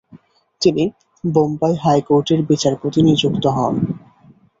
তিনি বোম্বাই হাইকোর্টের বিচারপতি নিযুক্ত হন।